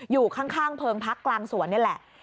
อยู่ข้างเพิงพักกลางสวนนี่แหละ